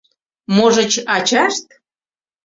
Можыч, ачашт?